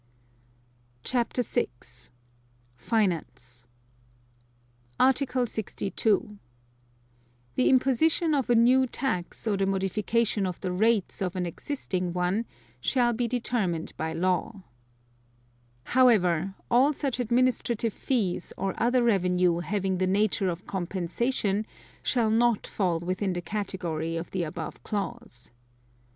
CHAPTER VI. FINANCE Article 62. The imposition of a new tax or the modification of the rates (of an existing one) shall be determined by law. (2) However, all such administrative fees or other revenue having the nature of compensation shall not fall within the category of the above clause.